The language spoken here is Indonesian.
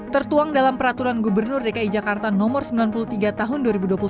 tertuang dalam peraturan gubernur dki jakarta nomor sembilan puluh tiga tahun dua ribu dua puluh satu